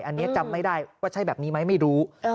อันนี้จำไม่ได้ว่าใช่แบบนี้ไหมไม่รู้